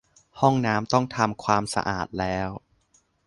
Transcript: ห้องน้ำต้องทำความสะอาดแล้ว